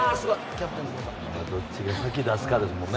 どっちが先に足を出すかですもんね。